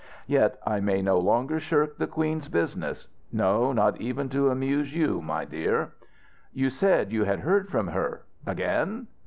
Yet I may no longer shirk the Queen's business, no, not even to amuse you, my dear." "You said you had heard from her again?"